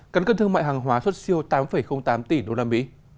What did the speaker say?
cắn cân thương mại hàng hóa xuất siêu tám tám tỷ usd